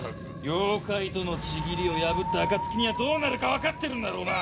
妖怪との契りを破った暁にはどうなるかわかってるんだろうな？